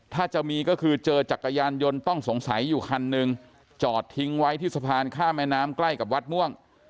ถ้าจะมีก็คือเจอจักรยานยนต์ต้องสงสัยอยู่คันหนึ่งจอดทิ้งไว้ที่สะพานข้ามแม่น้ำใกล้กับวัดม่วง